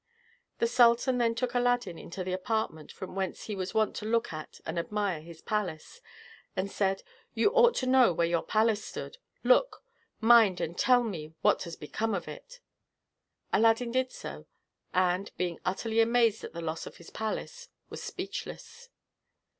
The sultan then took Aladdin into the apartment from whence he was wont to look at and admire his palace, and said, "You ought to know where your palace stood. Look! mind, and tell me what has become of it." Aladdin did so, and, being utterly amazed at the loss of his palace, was speechless.